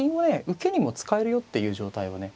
受けにも使えるよっていう状態をね